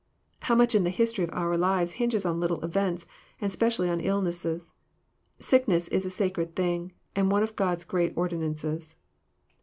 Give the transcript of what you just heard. How much in the history of our lives hinges on little events, and specially on illnesses 1 Sickness is a sacred thing, and one of God's great ordinances.